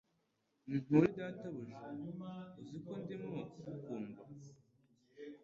Nturi databuja Uzi ko ndimo kukwumva